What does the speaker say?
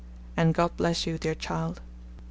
And God bless you, dear child.